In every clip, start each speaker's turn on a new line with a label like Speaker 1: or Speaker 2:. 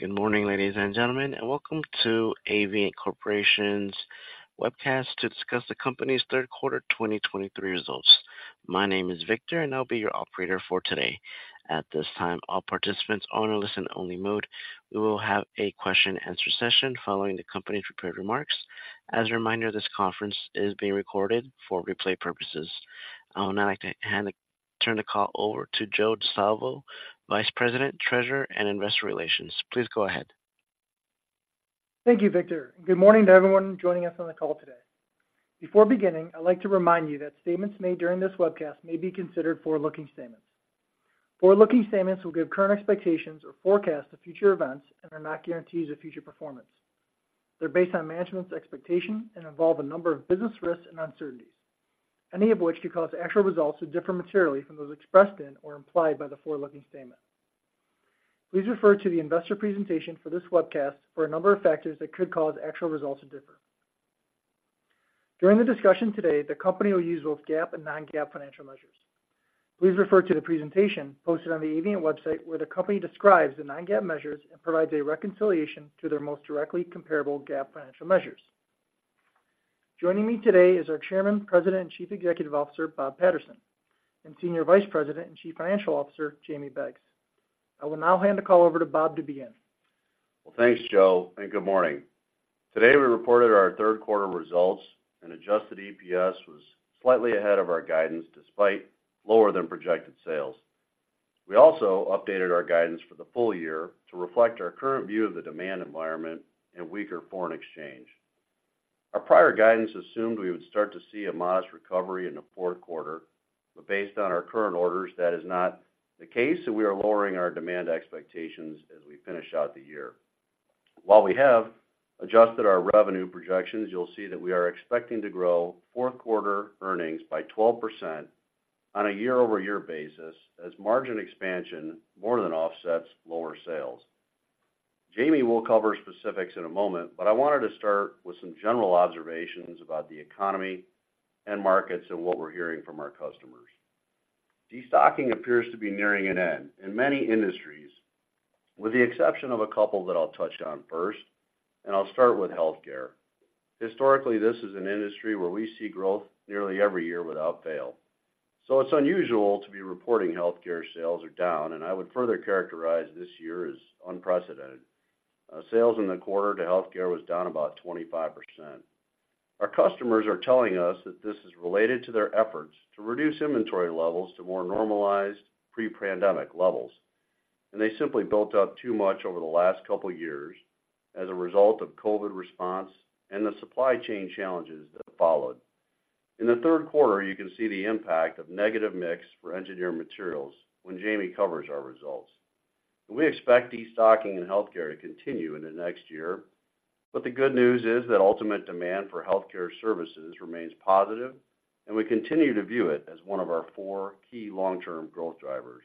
Speaker 1: Good morning, ladies and gentlemen, and welcome to Avient Corporation's webcast to discuss the company's third quarter 2023 results. My name is Victor, and I'll be your operator for today. At this time, all participants are in a listen-only mode. We will have a question and answer session following the company's prepared remarks. As a reminder, this conference is being recorded for replay purposes. I would now like to turn the call over to Joe Di Salvo, Vice President, Treasurer, and Investor Relations. Please go ahead.
Speaker 2: Thank you, Victor, and good morning to everyone joining us on the call today. Before beginning, I'd like to remind you that statements made during this webcast may be considered forward-looking statements. Forward-looking statements will give current expectations or forecasts of future events and are not guarantees of future performance. They're based on management's expectations and involve a number of business risks and uncertainties, any of which could cause actual results to differ materially from those expressed in or implied by the forward-looking statement. Please refer to the investor presentation for this webcast for a number of factors that could cause actual results to differ. During the discussion today, the company will use both GAAP and non-GAAP financial measures. Please refer to the presentation posted on the Avient website, where the company describes the non-GAAP measures and provides a reconciliation to their most directly comparable GAAP financial measures. Joining me today is our Chairman, President, and Chief Executive Officer, Bob Patterson, and Senior Vice President and Chief Financial Officer, Jamie Beggs. I will now hand the call over to Bob to begin.
Speaker 3: Well, thanks, Joe, and good morning. Today, we reported our third quarter results, and Adjusted EPS was slightly ahead of our guidance, despite lower than projected sales. We also updated our guidance for the full year to reflect our current view of the demand environment and weaker foreign exchange. Our prior guidance assumed we would start to see a modest recovery in the fourth quarter, but based on our current orders, that is not the case, and we are lowering our demand expectations as we finish out the year. While we have adjusted our revenue projections, you'll see that we are expecting to grow fourth quarter earnings by 12% on a year-over-year basis as margin expansion more than offsets lower sales. Jamie will cover specifics in a moment, but I wanted to start with some general observations about the economy and markets and what we're hearing from our customers. Destocking appears to be nearing an end in many industries, with the exception of a couple that I'll touch on first, and I'll start with healthcare. Historically, this is an industry where we see growth nearly every year without fail. So it's unusual to be reporting healthcare sales are down, and I would further characterize this year as unprecedented. Sales in the quarter to healthcare was down about 25%. Our customers are telling us that this is related to their efforts to reduce inventory levels to more normalized pre-pandemic levels, and they simply built up too much over the last couple of years as a result of COVID response and the supply chain challenges that followed. In the third quarter, you can see the impact of negative mix for engineered materials when Jamie covers our results. We expect destocking in healthcare to continue into next year, but the good news is that ultimate demand for healthcare services remains positive, and we continue to view it as one of our four key long-term growth drivers.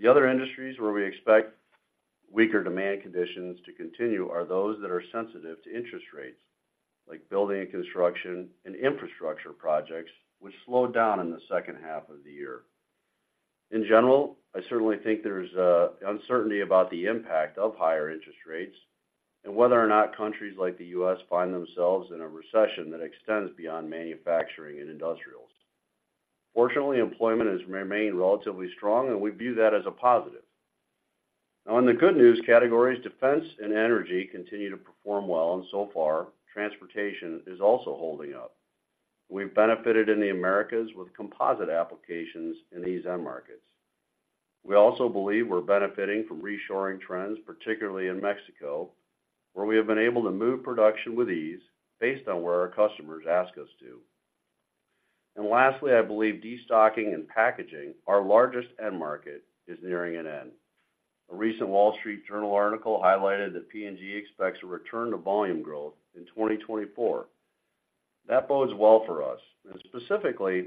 Speaker 3: The other industries where we expect weaker demand conditions to continue are those that are sensitive to interest rates, like building and construction and infrastructure projects, which slowed down in the second half of the year. In general, I certainly think there's uncertainty about the impact of higher interest rates and whether or not countries like the U.S. find themselves in a recession that extends beyond manufacturing and industrials. Fortunately, employment has remained relatively strong, and we view that as a positive. Now, in the good news categories, defense and energy continue to perform well, and so far, transportation is also holding up. We've benefited in the Americas with composite applications in these end markets. We also believe we're benefiting from reshoring trends, particularly in Mexico, where we have been able to move production with ease based on where our customers ask us to. And lastly, I believe destocking in packaging, our largest end market, is nearing an end. A recent Wall Street Journal article highlighted that P&G expects a return to volume growth in 2024. That bodes well for us, and specifically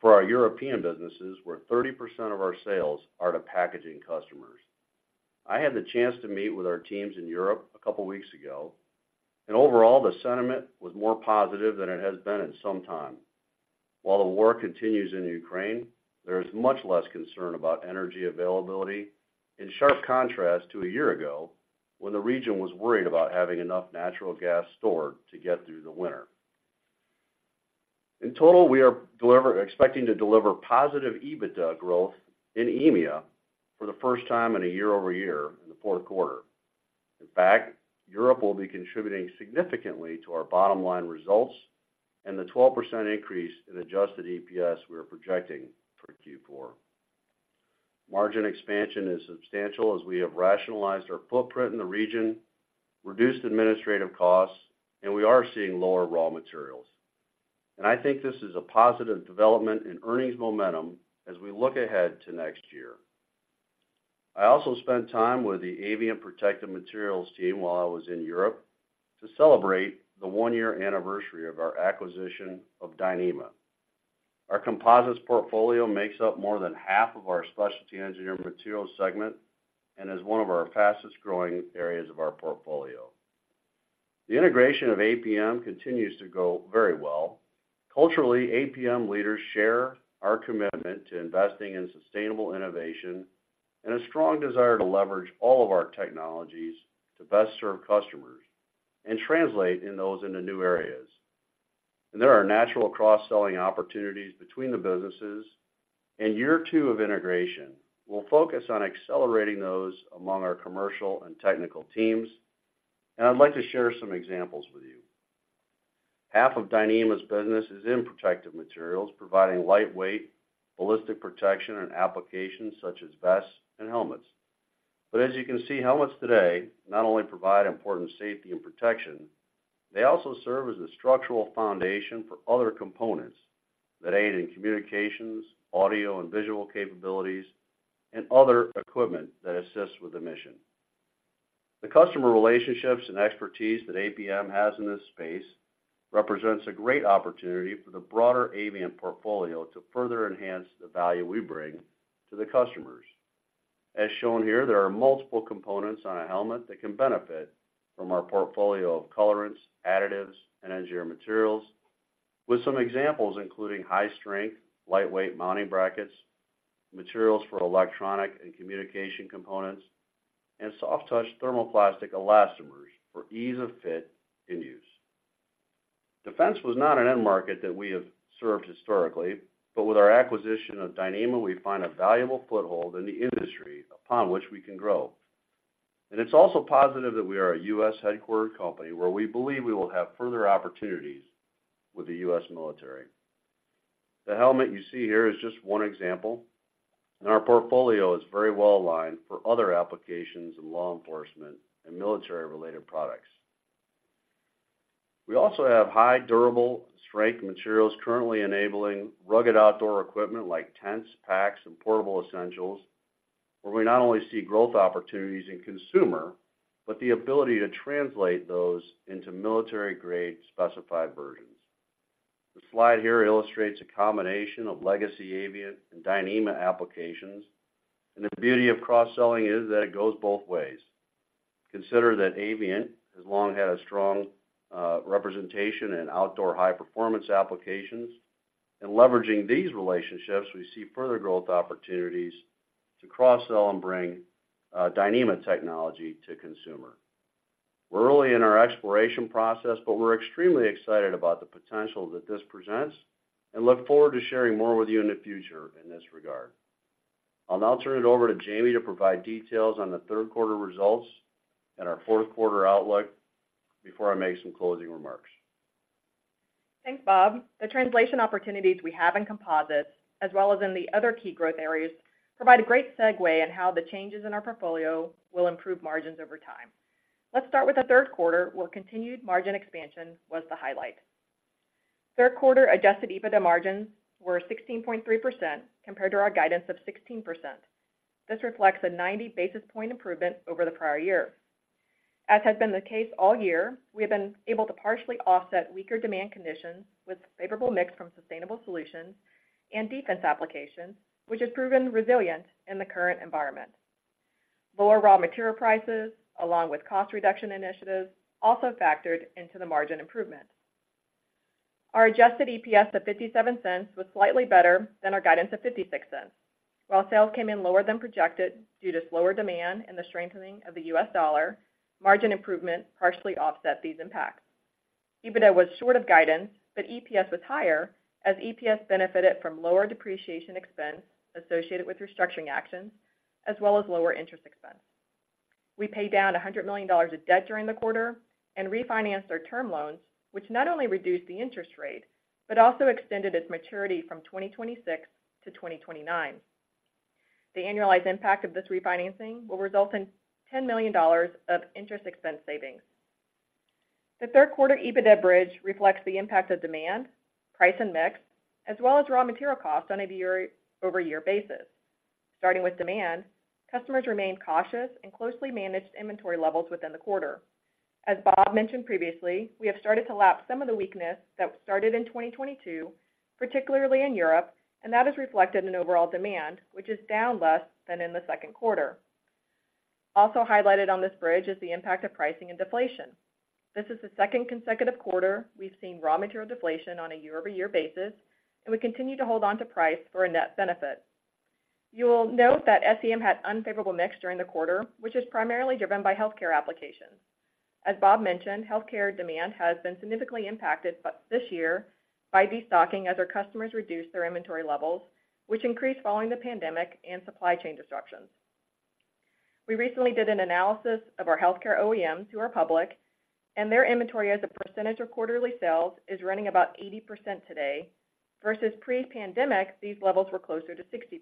Speaker 3: for our European businesses, where 30% of our sales are to packaging customers. I had the chance to meet with our teams in Europe a couple of weeks ago, and overall, the sentiment was more positive than it has been in some time. While the war continues in Ukraine, there is much less concern about energy availability, in sharp contrast to a year ago, when the region was worried about having enough natural gas stored to get through the winter. In total, we are expecting to deliver positive EBITDA growth in EMEA for the first time in a year-over-year in the fourth quarter. In fact, Europe will be contributing significantly to our bottom line results and the 12% increase in adjusted EPS we are projecting for Q4. Margin expansion is substantial as we have rationalized our footprint in the region, reduced administrative costs, and we are seeing lower raw materials. I think this is a positive development in earnings momentum as we look ahead to next year. I also spent time with the Avient Protective Materials team while I was in Europe to celebrate the one-year anniversary of our acquisition of Dyneema. Our composites portfolio makes up more than half of our specialty engineered materials segment and is one of our fastest-growing areas of our portfolio. The integration of APM continues to go very well. Culturally, APM leaders share our commitment to investing in sustainable innovation and a strong desire to leverage all of our technologies to best serve customers and translate in those into new areas. There are natural cross-selling opportunities between the businesses, and year two of integration will focus on accelerating those among our commercial and technical teams. I'd like to share some examples with you. Half of Dyneema's business is in protective materials, providing lightweight, ballistic protection, and applications such as vests and helmets. But as you can see, helmets today not only provide important safety and protection, they also serve as a structural foundation for other components that aid in communications, audio, and visual capabilities, and other equipment that assist with the mission. The customer relationships and expertise that APM has in this space represents a great opportunity for the broader Avient portfolio to further enhance the value we bring to the customers. As shown here, there are multiple components on a helmet that can benefit from our portfolio of colorants, additives, and engineered materials, with some examples including high strength, lightweight mounting brackets, materials for electronic and communication components, and soft touch thermoplastic elastomers for ease of fit and use. Defense was not an end market that we have served historically, but with our acquisition of Dyneema, we find a valuable foothold in the industry upon which we can grow. It's also positive that we are a U.S. headquartered company, where we believe we will have further opportunities with the U.S. military. The helmet you see here is just one example, and our portfolio is very well aligned for other applications in law enforcement and military-related products. We also have high durable strength materials currently enabling rugged outdoor equipment like tents, packs, and portable essentials, where we not only see growth opportunities in consumer, but the ability to translate those into military-grade specified versions. The slide here illustrates a combination of legacy Avient and Dyneema applications, and the beauty of cross-selling is that it goes both ways. Consider that Avient has long had a strong representation in outdoor high-performance applications. In leveraging these relationships, we see further growth opportunities to cross-sell and bring Dyneema technology to consumer. We're early in our exploration process, but we're extremely excited about the potential that this presents, and look forward to sharing more with you in the future in this regard. I'll now turn it over to Jamie to provide details on the third quarter results and our fourth quarter outlook before I make some closing remarks.
Speaker 4: Thanks, Bob. The translation opportunities we have in composites, as well as in the other key growth areas, provide a great segue on how the changes in our portfolio will improve margins over time. Let's start with the third quarter, where continued margin expansion was the highlight. Third quarter Adjusted EBITDA margins were 16.3%, compared to our guidance of 16%. This reflects a 90 basis point improvement over the prior year. As has been the case all year, we have been able to partially offset weaker demand conditions with favorable mix from sustainable solutions and defense applications, which has proven resilient in the current environment. Lower raw material prices, along with cost reduction initiatives, also factored into the margin improvement. Our Adjusted EPS of $0.57 was slightly better than our guidance of $0.56. While sales came in lower than projected due to slower demand and the strengthening of the US dollar, margin improvement partially offset these impacts. EBITDA was short of guidance, but EPS was higher, as EPS benefited from lower depreciation expense associated with restructuring actions, as well as lower interest expense. We paid down $100 million of debt during the quarter and refinanced our term loans, which not only reduced the interest rate, but also extended its maturity from 2026 to 2029. The annualized impact of this refinancing will result in $10 million of interest expense savings. The third quarter EBITDA bridge reflects the impact of demand, price, and mix, as well as raw material costs on a year-over-year basis. Starting with demand, customers remained cautious and closely managed inventory levels within the quarter. As Bob mentioned previously, we have started to lap some of the weakness that started in 2022, particularly in Europe, and that is reflected in overall demand, which is down less than in the second quarter. Also highlighted on this bridge is the impact of pricing and deflation. This is the second consecutive quarter we've seen raw material deflation on a year-over-year basis, and we continue to hold on to price for a net benefit. You will note that SEM had unfavorable mix during the quarter, which is primarily driven by healthcare applications. As Bob mentioned, healthcare demand has been significantly impacted, but this year by destocking as our customers reduce their inventory levels, which increased following the pandemic and supply chain disruptions. We recently did an analysis of our healthcare OEMs, who are public, and their inventory as a percentage of quarterly sales, is running about 80% today, versus pre-pandemic, these levels were closer to 60%.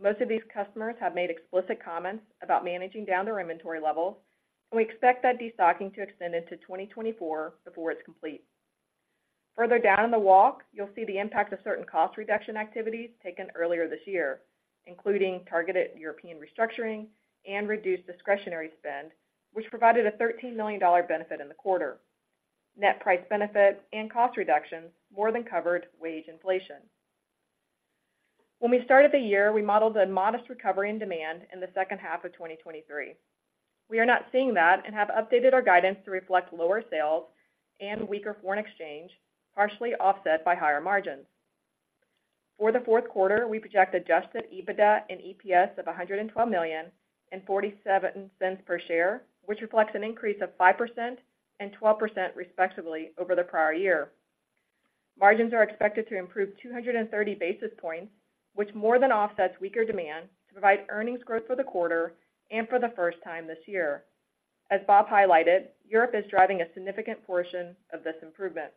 Speaker 4: Most of these customers have made explicit comments about managing down their inventory levels, and we expect that destocking to extend into 2024 before it's complete. Further down in the walk, you'll see the impact of certain cost reduction activities taken earlier this year, including targeted European restructuring and reduced discretionary spend, which provided a $13 million benefit in the quarter. Net price benefit and cost reductions more than covered wage inflation. When we started the year, we modeled a modest recovery in demand in the second half of 2023. We are not seeing that and have updated our guidance to reflect lower sales and weaker foreign exchange, partially offset by higher margins. For the fourth quarter, we project Adjusted EBITDA and EPS of $112 million and $0.47 per share, which reflects an increase of 5% and 12%, respectively, over the prior year. Margins are expected to improve 230 basis points, which more than offsets weaker demand to provide earnings growth for the quarter and for the first time this year. As Bob highlighted, Europe is driving a significant portion of this improvement.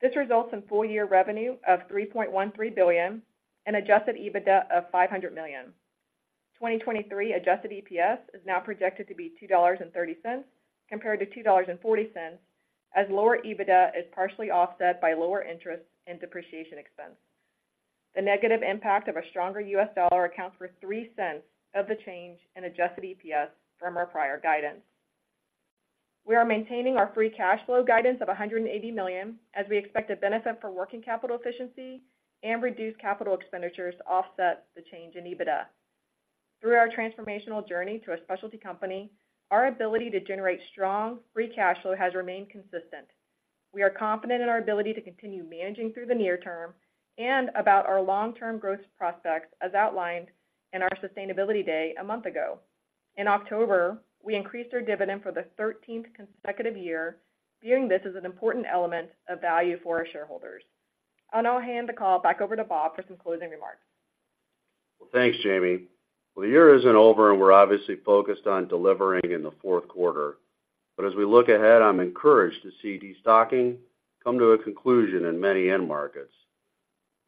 Speaker 4: This results in full-year revenue of $3.13 billion and adjusted EBITDA of $500 million. 2023 adjusted EPS is now projected to be $2.30, compared to $2.40, as lower EBITDA is partially offset by lower interest and depreciation expense. The negative impact of a stronger U.S. dollar accounts for $0.03 of the change in adjusted EPS from our prior guidance. We are maintaining our free cash flow guidance of $180 million, as we expect a benefit from working capital efficiency and reduced capital expenditures to offset the change in EBITDA. Through our transformational journey to a specialty company, our ability to generate strong free cash flow has remained consistent. We are confident in our ability to continue managing through the near term and about our long-term growth prospects, as outlined in our Sustainability Day a month ago. In October, we increased our dividend for the thirteenth consecutive year, viewing this as an important element of value for our shareholders. I'll now hand the call back over to Bob for some closing remarks.
Speaker 3: Well, thanks, Jamie. Well, the year isn't over, and we're obviously focused on delivering in the fourth quarter. But as we look ahead, I'm encouraged to see destocking come to a conclusion in many end markets.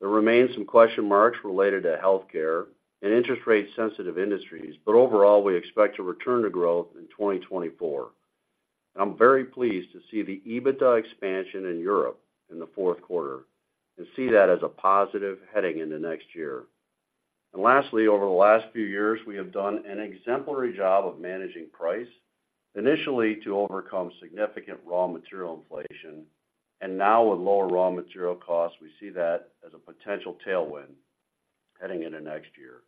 Speaker 3: There remains some question marks related to healthcare and interest rate-sensitive industries, but overall, we expect to return to growth in 2024. I'm very pleased to see the EBITDA expansion in Europe in the fourth quarter and see that as a positive heading into next year. And lastly, over the last few years, we have done an exemplary job of managing price, initially to overcome significant raw material inflation, and now with lower raw material costs, we see that as a potential tailwind heading into next year.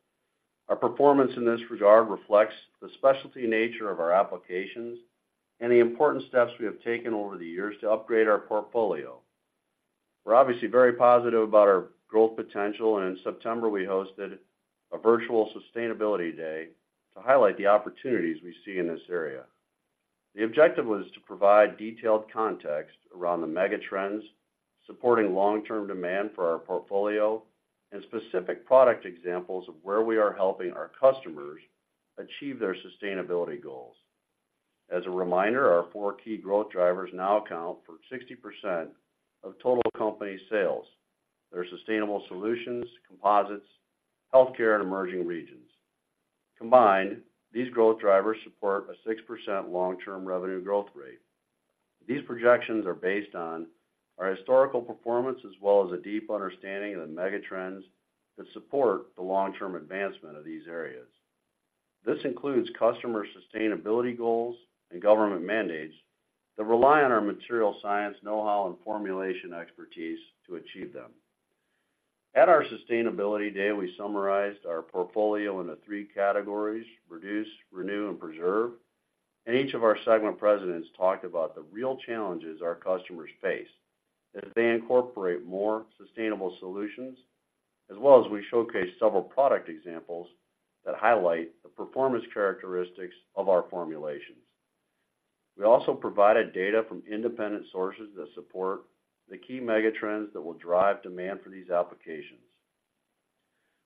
Speaker 3: Our performance in this regard reflects the specialty nature of our applications and the important steps we have taken over the years to upgrade our portfolio. We're obviously very positive about our growth potential, and in September, we hosted a virtual Sustainability Day to highlight the opportunities we see in this area. The objective was to provide detailed context around the mega trends, supporting long-term demand for our portfolio, and specific product examples of where we are helping our customers achieve their sustainability goals. As a reminder, our four key growth drivers now account for 60% of total company sales. They are sustainable solutions, composites, healthcare, and emerging regions. Combined, these growth drivers support a 6% long-term revenue growth rate. These projections are based on our historical performance, as well as a deep understanding of the mega trends that support the long-term advancement of these areas. This includes customer sustainability goals and government mandates that rely on our material science know-how and formulation expertise to achieve them. At our Sustainability Day, we summarized our portfolio into three categories: Reduce, Renew, and Preserve. Each of our segment presidents talked about the real challenges our customers face as they incorporate more sustainable solutions, as well as we showcased several product examples that highlight the performance characteristics of our formulations. We also provided data from independent sources that support the key mega trends that will drive demand for these applications.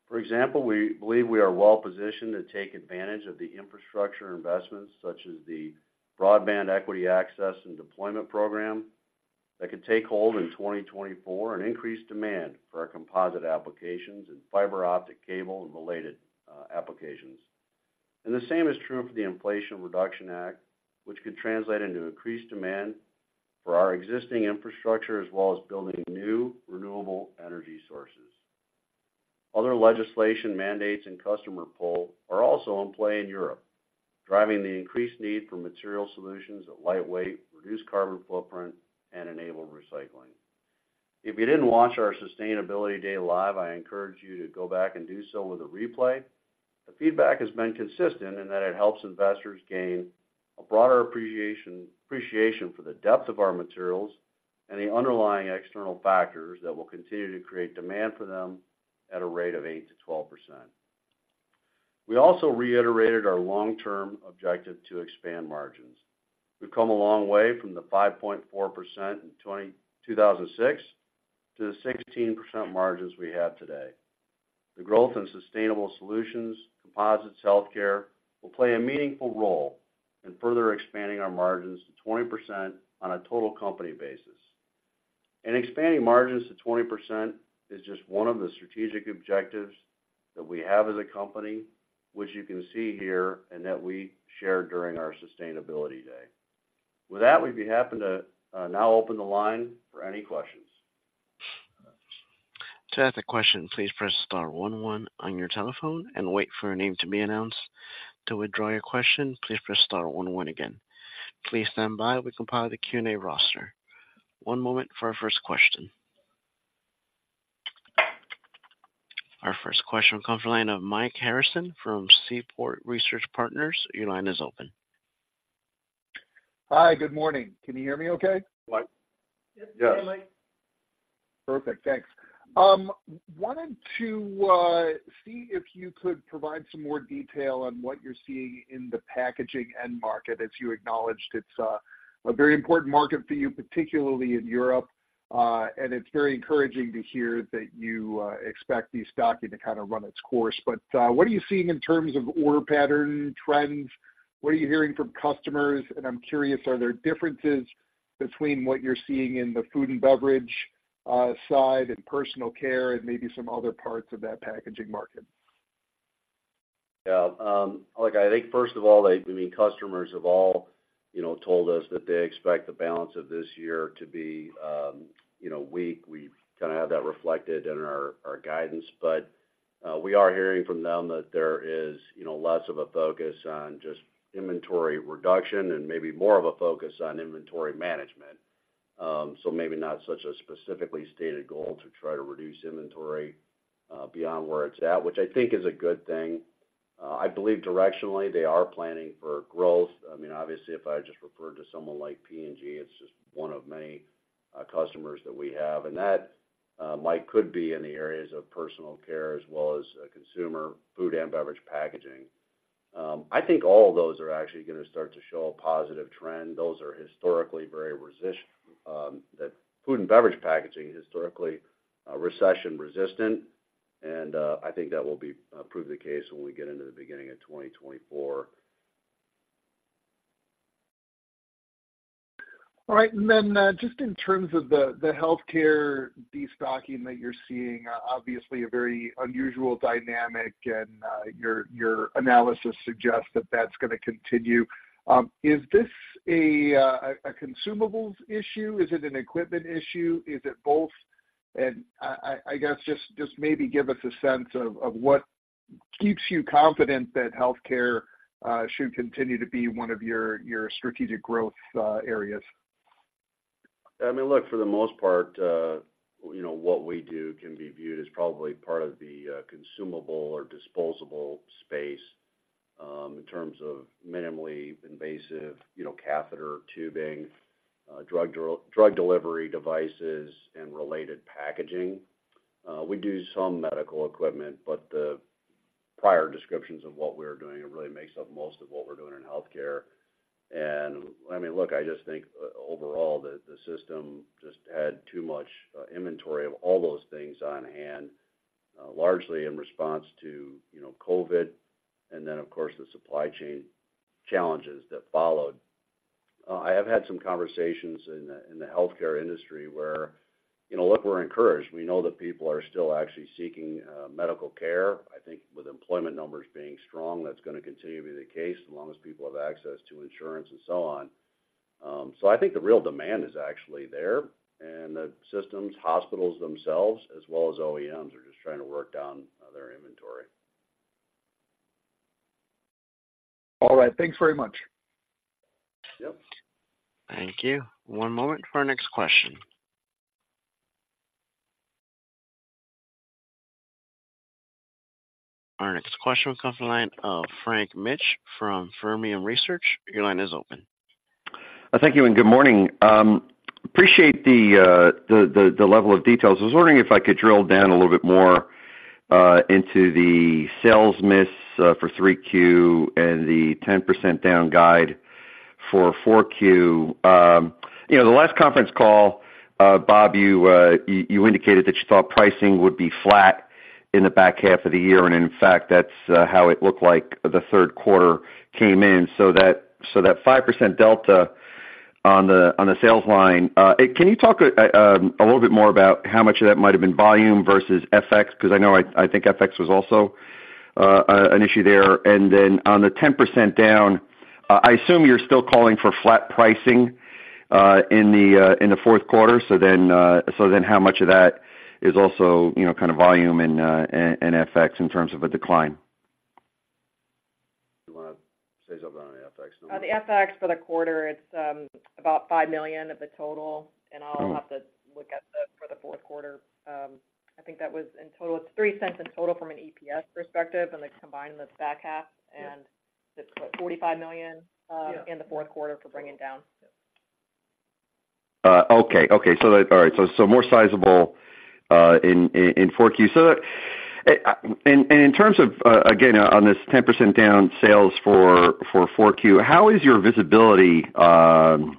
Speaker 3: For example, we believe we are well positioned to take advantage of the infrastructure investments, such as the Broadband Equity Access and Deployment program, that could take hold in 2024 and increase demand for our composite applications and fiber optic cable and related applications. The same is true for the Inflation Reduction Act, which could translate into increased demand for our existing infrastructure, as well as building new renewable energy sources. Other legislation mandates and customer pull are also in play in Europe, driving the increased need for material solutions that lightweight, reduce carbon footprint, and enable recycling. If you didn't watch our Sustainability Day live, I encourage you to go back and do so with a replay. The feedback has been consistent in that it helps investors gain a broader appreciation, appreciation for the depth of our materials and the underlying external factors that will continue to create demand for them at a rate of 8%-12%. We also reiterated our long-term objective to expand margins. We've come a long way from the 5.4% in 2006 to the 16% margins we have today. The growth in sustainable solutions, composites, healthcare, will play a meaningful role in further expanding our margins to 20% on a total company basis. Expanding margins to 20% is just one of the strategic objectives that we have as a company, which you can see here and that we shared during our Sustainability Day. With that, we'd be happy to now open the line for any questions.
Speaker 1: To ask a question, please press star one one on your telephone and wait for your name to be announced. To withdraw your question, please press star one one again. Please stand by while we compile the Q&A roster. One moment for our first question. Our first question comes from the line of Mike Harrison from Seaport Research Partners. Your line is open.
Speaker 5: Hi, good morning. Can you hear me okay?
Speaker 3: What?
Speaker 2: Yes.
Speaker 5: Perfect, thanks. Wanted to see if you could provide some more detail on what you're seeing in the packaging end market. As you acknowledged, it's a very important market for you, particularly in Europe, and it's very encouraging to hear that you expect destocking to kind of run its course. But what are you seeing in terms of order pattern, trends? What are you hearing from customers? And I'm curious, are there differences between what you're seeing in the food and beverage side, and personal care, and maybe some other parts of that packaging market?
Speaker 3: Yeah, look, I think first of all, I mean, customers have all, you know, told us that they expect the balance of this year to be, you know, weak. We kind of have that reflected in our guidance. But we are hearing from them that there is, you know, less of a focus on just inventory reduction and maybe more of a focus on inventory management. So maybe not such a specifically stated goal to try to reduce inventory beyond where it's at, which I think is a good thing. I believe directionally, they are planning for growth. I mean, obviously, if I just referred to someone like P&G, it's just one of many customers that we have. And that, Mike, could be in the areas of personal care as well as consumer food and beverage packaging. I think all of those are actually going to start to show a positive trend. Those are historically very resistant, the food and beverage packaging is historically recession-resistant, and I think that will prove the case when we get into the beginning of 2024.
Speaker 5: All right. And then, just in terms of the healthcare destocking that you're seeing, obviously a very unusual dynamic, and your analysis suggests that that's going to continue. Is this a consumables issue? Is it an equipment issue? Is it both? And I guess just maybe give us a sense of what keeps you confident that healthcare should continue to be one of your strategic growth areas.
Speaker 3: I mean, look, for the most part, you know, what we do can be viewed as probably part of the consumable or disposable space in terms of minimally invasive, you know, catheter tubing, drug delivery devices and related packaging. We do some medical equipment, but the prior descriptions of what we're doing. It really makes up most of what we're doing in healthcare. And I mean, look, I just think overall, the system just had too much inventory of all those things on hand largely in response to, you know, COVID, and then, of course, the supply chain challenges that followed. I have had some conversations in the healthcare industry where, you know, look, we're encouraged. We know that people are still actually seeking medical care. I think with employment numbers being strong, that's going to continue to be the case as long as people have access to insurance and so on. So I think the real demand is actually there, and the systems, hospitals themselves, as well as OEMs, are just trying to work down their inventory.
Speaker 5: All right. Thanks very much.
Speaker 3: Yep.
Speaker 1: Thank you. One moment for our next question. Our next question comes from the line of Frank Mitsch from Fermium Research. Your line is open.
Speaker 6: Thank you, and good morning. Appreciate the level of details. I was wondering if I could drill down a little bit more into the sales miss for 3Q and the 10% down guide for 4Q. You know, the last conference call, Bob, you indicated that you thought pricing would be flat in the back half of the year, and in fact, that's how it looked like the third quarter came in. So that 5% delta on the sales line, can you talk a little bit more about how much of that might have been volume versus FX? Because I know I think FX was also an issue there. And then on the 10% down, I assume you're still calling for flat pricing in the fourth quarter. So then, how much of that is also, you know, kind of volume and FX in terms of a decline?
Speaker 3: You want to say something on the FX number?
Speaker 4: The FX for the quarter, it's about $5 million of the total-
Speaker 6: Oh.
Speaker 4: - and I'll have to look at the, for the fourth quarter. I think that was in total, it's $0.03 in total from an EPS perspective, and it's combined in this back half, and it's what? $45 million in the fourth quarter for bringing down.
Speaker 6: Okay. Okay. So that... All right, so more sizable in 4Q. So, and in terms of, again, on this 10% down sales for 4Q, how is your visibility on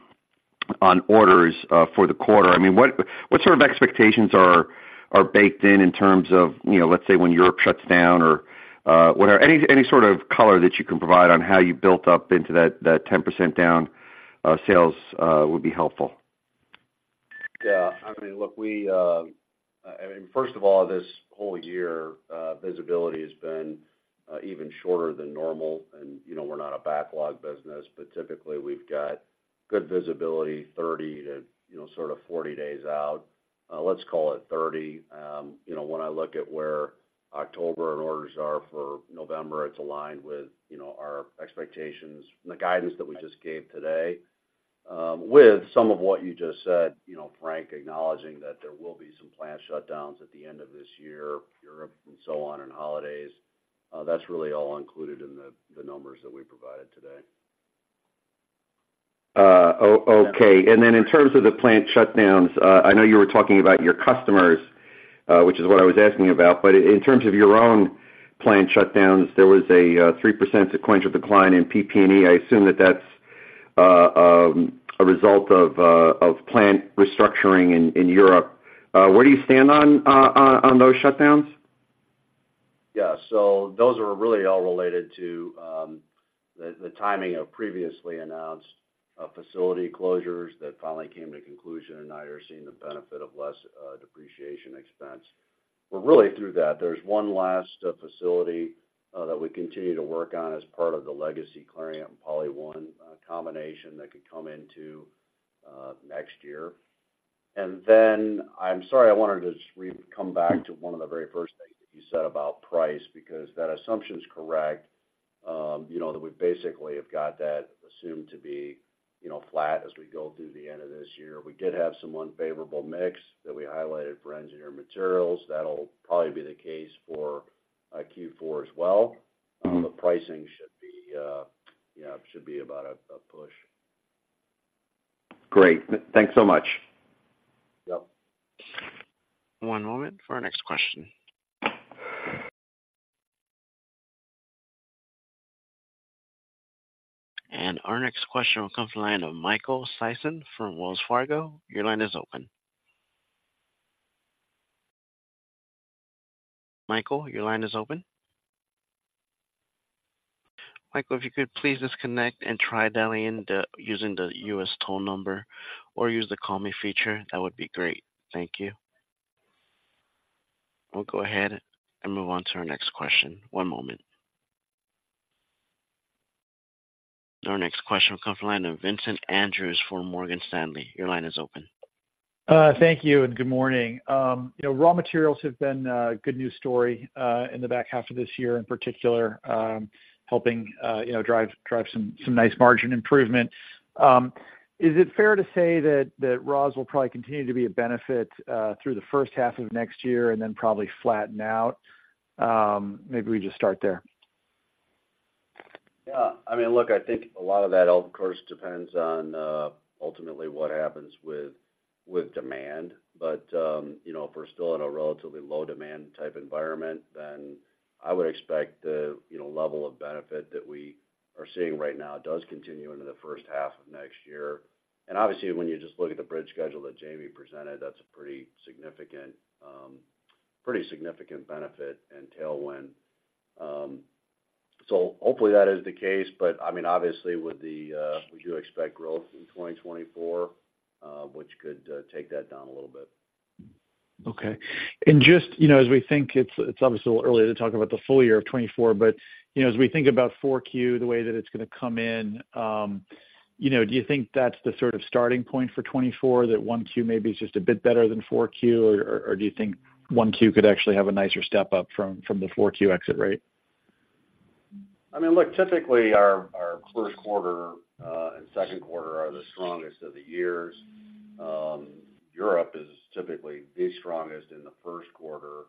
Speaker 6: orders for the quarter? I mean, what sort of expectations are baked in, in terms of, you know, let's say when Europe shuts down or, whatever. Any sort of color that you can provide on how you built up into that 10% down sales would be helpful.
Speaker 3: Yeah, I mean, look, we, I mean, first of all, this whole year, visibility has been even shorter than normal, and, you know, we're not a backlog business, but typically we've got good visibility, 30 to, you know, sort of 40 days out. Let's call it 30. You know, when I look at where October and orders are for November, it's aligned with, you know, our expectations and the guidance that we just gave today, with some of what you just said, you know, Frank, acknowledging that there will be some plant shutdowns at the end of this year, Europe and so on, and holidays, that's really all included in the numbers that we provided today.
Speaker 6: Oh, okay. And then in terms of the plant shutdowns, I know you were talking about your customers, which is what I was asking about, but in terms of your own plant shutdowns, there was a 3% sequential decline in PP&E. I assume that that's a result of plant restructuring in Europe. Where do you stand on those shutdowns?
Speaker 3: Yeah. So those are really all related to the timing of previously announced facility closures that finally came to conclusion, and now you're seeing the benefit of less depreciation expense. We're really through that. There's one last facility that we continue to work on as part of the legacy Clariant PolyOne combination that could come into next year. And then I'm sorry, I wanted to just come back to one of the very first things that you said about price, because that assumption is correct. You know, that we basically have got that assumed to be, you know, flat as we go through the end of this year. We did have some unfavorable mix that we highlighted for engineered materials. That'll probably be the case for Q4 as well.
Speaker 6: Mm-hmm.
Speaker 3: The pricing should be, yeah, should be about a push.
Speaker 6: Great. Thanks so much.
Speaker 3: Yep.
Speaker 1: One moment for our next question. Our next question will come from the line of Michael Sison from Wells Fargo. Your line is open. Michael, your line is open? Michael, if you could please disconnect and try dialing in, using the U.S. toll number or use the call me feature, that would be great. Thank you. We'll go ahead and move on to our next question. One moment. Our next question will come from the line of Vincent Andrews from Morgan Stanley. Your line is open.
Speaker 7: Thank you, and good morning. You know, raw materials have been a good news story in the back half of this year, in particular, helping you know drive some nice margin improvement. Is it fair to say that raws will probably continue to be a benefit through the first half of next year and then probably flatten out? Maybe we just start there.
Speaker 3: Yeah, I mean, look, I think a lot of that, of course, depends on ultimately what happens with demand. But you know, if we're still in a relatively low demand type environment, then I would expect the you know, level of benefit that we are seeing right now does continue into the first half of next year. And obviously, when you just look at the bridge schedule that Jamie presented, that's a pretty significant pretty significant benefit and tailwind. So hopefully, that is the case, but I mean, obviously, with the we do expect growth in 2024, which could take that down a little bit.
Speaker 7: Okay. And just, you know, as we think it's obviously a little early to talk about the full year of 2024, but, you know, as we think about 4Q, the way that it's gonna come in, you know, do you think that's the sort of starting point for 2024, that 1Q maybe is just a bit better than 4Q? Or do you think 1Q could actually have a nicer step up from the 4Q exit rate?
Speaker 3: I mean, look, typically our first quarter and second quarter are the strongest of the years. Europe is typically the strongest in the first quarter,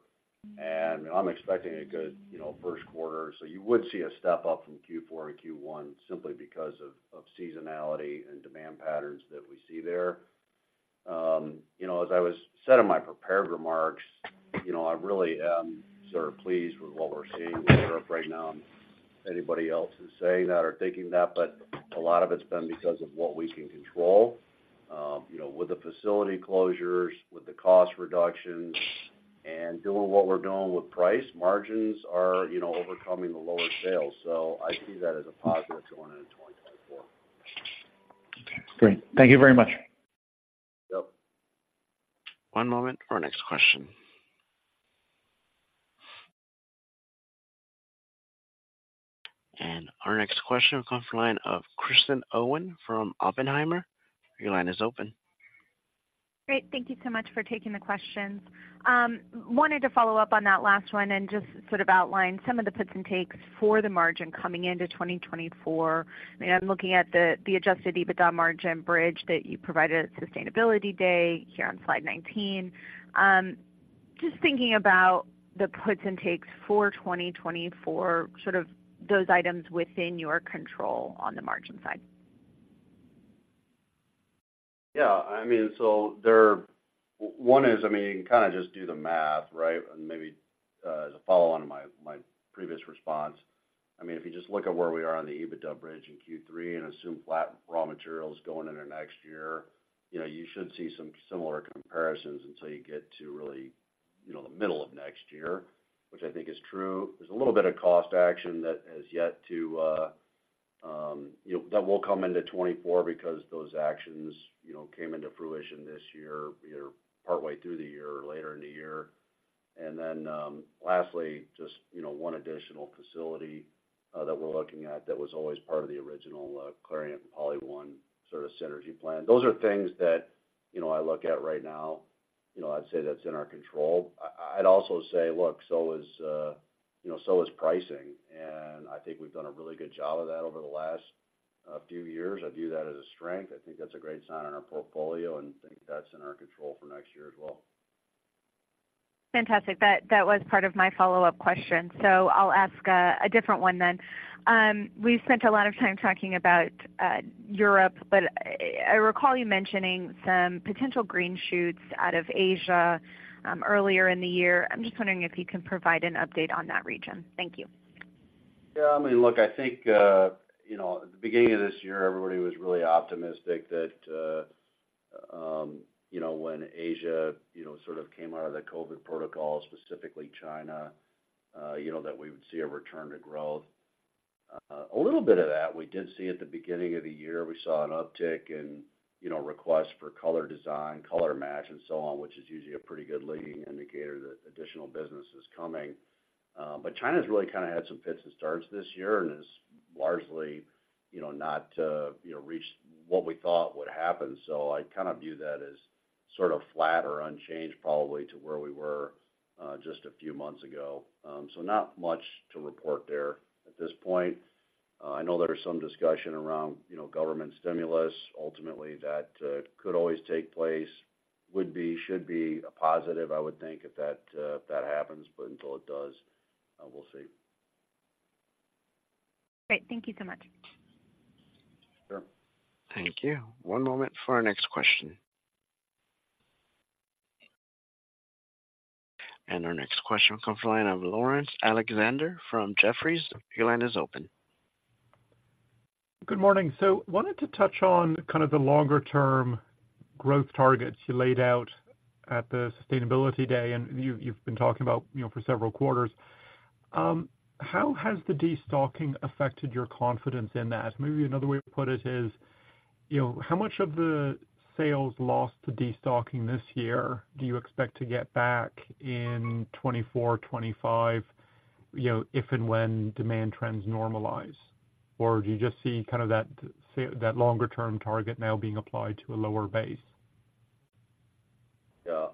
Speaker 3: and I'm expecting a good, you know, first quarter. So you would see a step up from Q4 to Q1 simply because of seasonality and demand patterns that we see there. You know, as I was said in my prepared remarks, you know, I really am sort of pleased with what we're seeing in Europe right now. Anybody else is saying that or thinking that, but a lot of it's been because of what we can control. You know, with the facility closures, with the cost reductions, and doing what we're doing with price, margins are, you know, overcoming the lower sales, so I see that as a positive going into 2024.
Speaker 7: Okay, great. Thank you very much.
Speaker 3: Yep.
Speaker 1: One moment for our next question. Our next question will come from the line of Kristen Owen from Oppenheimer. Your line is open.
Speaker 8: Great. Thank you so much for taking the questions. Wanted to follow up on that last one and just sort of outline some of the puts and takes for the margin coming into 2024. I mean, I'm looking at the, the Adjusted EBITDA margin bridge that you provided at Sustainability Day here on slide 19. Just thinking about the puts and takes for 2024, sort of those items within your control on the margin side.
Speaker 3: Yeah, I mean, one is, I mean, you can kinda just do the math, right? And maybe, as a follow-on to my previous response, I mean, if you just look at where we are on the EBITDA bridge in Q3 and assume flat raw materials going into next year, you know, you should see some similar comparisons until you get to really, you know, the middle of next year, which I think is true. There's a little bit of cost action that has yet to, you know, that will come into 2024 because those actions, you know, came into fruition this year, either partway through the year or later in the year. And then, lastly, just, you know, one additional facility that we're looking at that was always part of the original Clariant PolyOne sort of synergy plan. Those are things that you know, I look at right now, you know, I'd say that's in our control. I'd also say, look, so is, you know, so is pricing, and I think we've done a really good job of that over the last few years. I view that as a strength. I think that's a great sign in our portfolio, and I think that's in our control for next year as well.
Speaker 8: Fantastic. That was part of my follow-up question, so I'll ask a different one then. We've spent a lot of time talking about Europe, but I recall you mentioning some potential green shoots out of Asia earlier in the year. I'm just wondering if you can provide an update on that region. Thank you.
Speaker 3: Yeah, I mean, look, I think, you know, at the beginning of this year, everybody was really optimistic that, you know, when Asia, you know, sort of came out of the COVID protocol, specifically China, you know, that we would see a return to growth. A little bit of that we did see at the beginning of the year. We saw an uptick in, you know, requests for color design, color match, and so on, which is usually a pretty good leading indicator that additional business is coming. But China's really kind of had some fits and starts this year and has largely, you know, not, you know, reached what we thought would happen. So I kind of view that as sort of flat or unchanged, probably, to where we were, just a few months ago. So, not much to report there at this point. I know there are some discussion around, you know, government stimulus. Ultimately, that could always take place, would be, should be a positive, I would think, if that happens, but until it does, we'll see.
Speaker 8: Great. Thank you so much.
Speaker 3: Sure.
Speaker 1: Thank you. One moment for our next question. Our next question comes from the line of Laurence Alexander from Jefferies. Your line is open.
Speaker 9: Good morning. So wanted to touch on kind of the longer-term growth targets you laid out at the Sustainability Day, and you, you've been talking about, you know, for several quarters. How has the destocking affected your confidence in that? Maybe another way to put it is, you know, how much of the sales lost to destocking this year do you expect to get back in 2024, 2025, you know, if and when demand trends normalize? Or do you just see kind of that that longer-term target now being applied to a lower base?
Speaker 3: Yeah.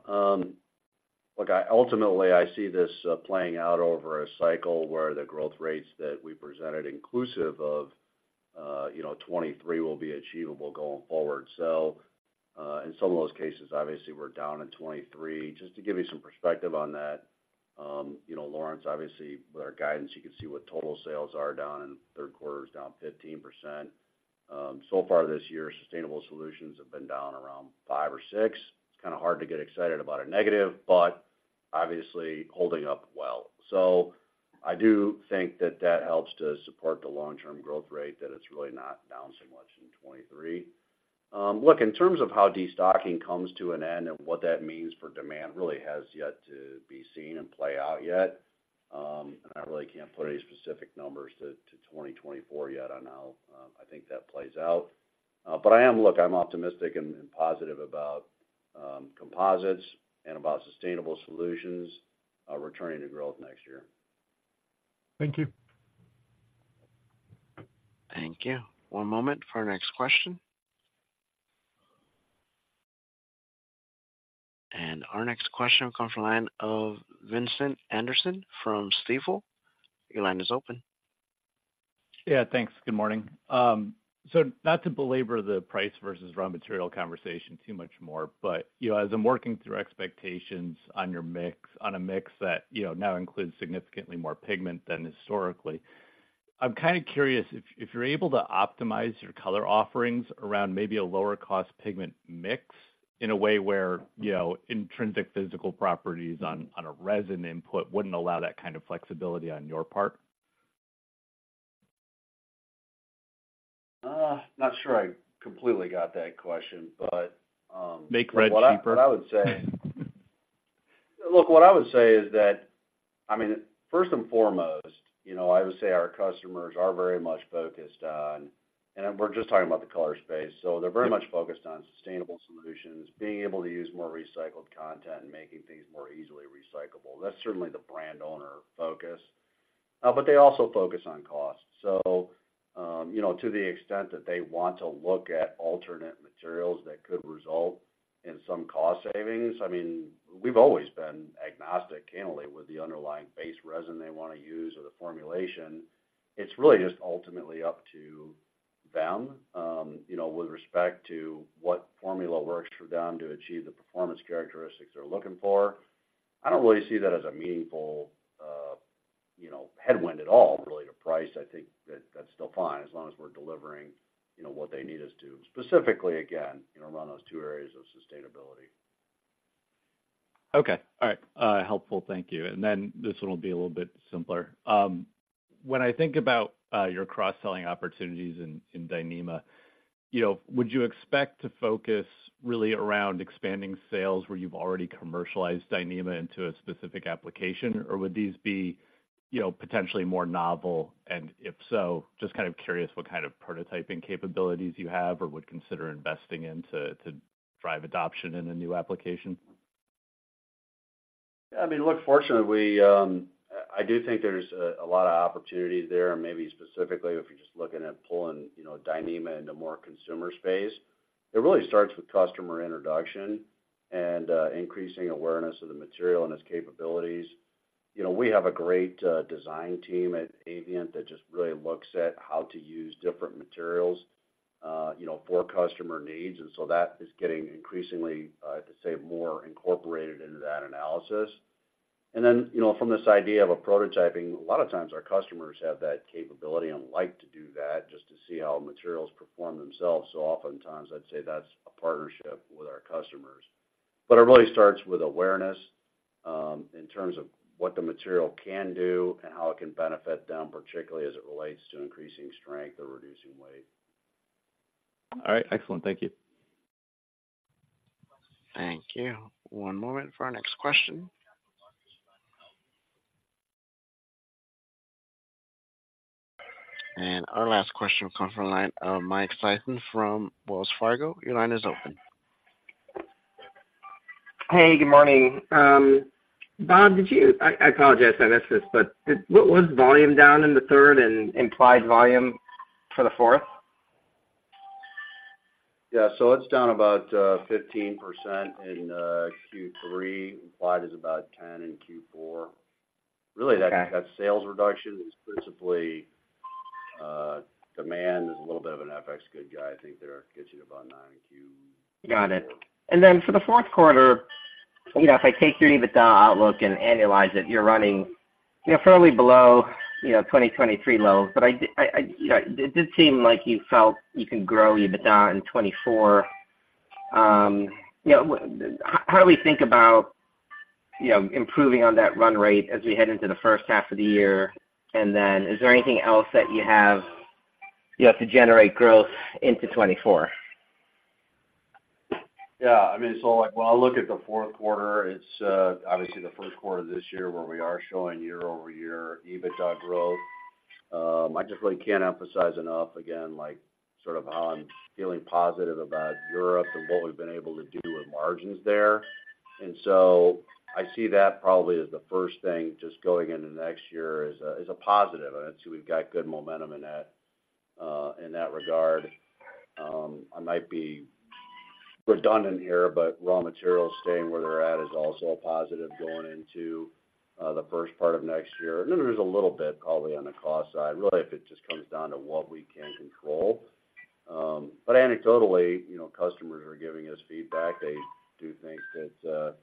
Speaker 3: Look, I ultimately, I see this playing out over a cycle where the growth rates that we presented, inclusive of, you know, 2023, will be achievable going forward. In some of those cases, obviously, we're down in 2023. Just to give you some perspective on that, you know, Laurence, obviously, with our guidance, you can see what total sales are down in the third quarter is down 15%. So far this year, sustainable solutions have been down around 5% or 6%. It's kind of hard to get excited about a negative, but obviously holding up well. I do think that that helps to support the long-term growth rate, that it's really not down so much in 2023. Look, in terms of how destocking comes to an end and what that means for demand, really has yet to be seen and play out yet. And I really can't put any specific numbers to, to 2024 yet on how, I think that plays out. But I am, look, I'm optimistic and, and positive about, composites and about sustainable solutions, returning to growth next year.
Speaker 9: Thank you.
Speaker 1: Thank you. One moment for our next question. Our next question comes from the line of Vincent Anderson from Stifel. Your line is open.
Speaker 10: Yeah, thanks. Good morning. So not to belabor the price versus raw material conversation too much more, but, you know, as I'm working through expectations on your mix, on a mix that, you know, now includes significantly more pigment than historically, I'm kind of curious if you're able to optimize your color offerings around maybe a lower cost pigment mix in a way where, you know, intrinsic physical properties on a resin input wouldn't allow that kind of flexibility on your part?
Speaker 3: Not sure I completely got that question, but-
Speaker 10: Make red cheaper.
Speaker 3: What I would say... Look, what I would say is that, I mean, first and foremost, you know, I would say our customers are very much focused on, and we're just talking about the color space, so they're very much focused on sustainable solutions, being able to use more recycled content, and making things more easily recyclable. That's certainly the brand owner focus. But they also focus on cost. So, you know, to the extent that they want to look at alternate materials that could result in some cost savings, I mean, we've always been agnostic, candidly, with the underlying base resin they wanna use or the formulation. It's really just ultimately up to them, you know, with respect to what formula works for them to achieve the performance characteristics they're looking for. I don't really see that as a meaningful, you know, headwind at all, really, to price. I think that that's still fine, as long as we're delivering, you know, what they need us to. Specifically, again, you know, around those two areas of sustainability.
Speaker 10: Okay. All right, helpful. Thank you. And then this one will be a little bit simpler. When I think about your cross-selling opportunities in Dyneema, you know, would you expect to focus really around expanding sales where you've already commercialized Dyneema into a specific application? Or would these be, you know, potentially more novel? And if so, just kind of curious what kind of prototyping capabilities you have or would consider investing in to drive adoption in a new application?
Speaker 3: Yeah, I mean, look, fortunately, we, I do think there's a lot of opportunities there, and maybe specifically, if you're just looking at pulling, you know, Dyneema into more consumer space. It really starts with customer introduction and increasing awareness of the material and its capabilities. You know, we have a great design team at Avient that just really looks at how to use different materials, you know, for customer needs, and so that is getting increasingly, I have to say, more incorporated into that analysis. And then, you know, from this idea of a prototyping, a lot of times our customers have that capability and like to do that just to see how materials perform themselves. So oftentimes, I'd say that's a partnership with our customers. But it really starts with awareness, in terms of what the material can do and how it can benefit them, particularly as it relates to increasing strength or reducing weight.
Speaker 1: All right. Excellent. Thank you. Thank you. One moment for our next question. Our last question will come from the line of Mike Sison from Wells Fargo. Your line is open.
Speaker 11: Hey, good morning. Bob, I apologize if I missed this, but was volume down in the third and implied volume for the fourth?
Speaker 3: Yeah, so it's down about 15% in Q3. Implied is about 10 in Q4.
Speaker 11: Okay.
Speaker 3: Really, that sales reduction is principally, demand is a little bit of an FX good guy. I think they're getting about 9 in Q4.
Speaker 11: Got it. Then for the fourth quarter, you know, if I take your EBITDA outlook and annualize it, you're running, you know, fairly below, you know, 2023 lows. But I did—I, you know, it did seem like you felt you can grow EBITDA in 2024. You know, how do we think about, you know, improving on that run rate as we head into the first half of the year? And then is there anything else that you have to generate growth into 2024?
Speaker 3: Yeah, I mean, so, like, when I look at the fourth quarter, it's obviously the first quarter this year where we are showing year-over-year EBITDA growth. I just really can't emphasize enough, again, like, sort of how I'm feeling positive about Europe and what we've been able to do with margins there. And so I see that probably as the first thing, just going into next year is a positive, and I'd say we've got good momentum in that regard. I might be redundant here, but raw materials staying where they're at is also a positive going into the first part of next year. And then there's a little bit probably on the cost side, really, if it just comes down to what we can control. But anecdotally, you know, customers are giving us feedback. They do think that,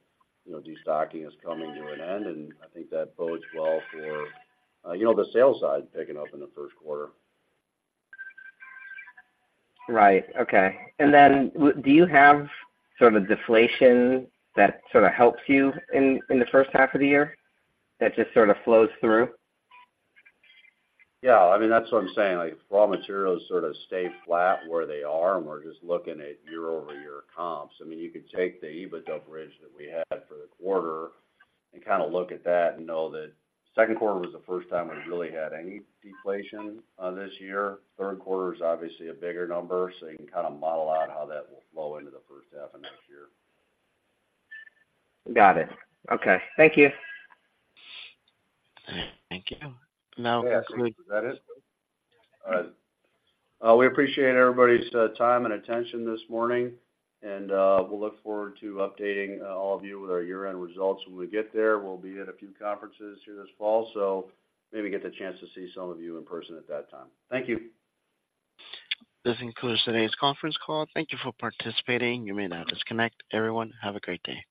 Speaker 3: you know, destocking is coming to an end, and I think that bodes well for, you know, the sales side picking up in the first quarter.
Speaker 11: Right. Okay. And then do you have sort of deflation that sort of helps you in, in the first half of the year, that just sort of flows through?
Speaker 3: Yeah, I mean, that's what I'm saying. Like, raw materials sort of stay flat where they are, and we're just looking at year-over-year comps. I mean, you could take the EBITDA bridge that we had for the quarter and kind of look at that and know that second quarter was the first time we really had any deflation this year. Third quarter is obviously a bigger number, so you can kind of model out how that will flow into the first half of next year.
Speaker 11: Got it. Okay. Thank you.
Speaker 1: Thank you. Now-
Speaker 3: Yeah, I think that is it. All right. We appreciate everybody's time and attention this morning, and we'll look forward to updating all of you with our year-end results when we get there. We'll be at a few conferences here this fall, so maybe get the chance to see some of you in person at that time. Thank you.
Speaker 1: This concludes today's conference call. Thank you for participating. You may now disconnect. Everyone, have a great day.